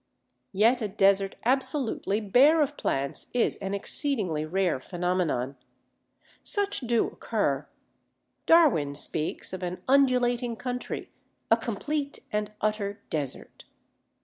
Yet a desert absolutely bare of plants is an exceedingly rare phenomenon. Such do occur. Darwin speaks of "an undulating country, a complete and utter desert."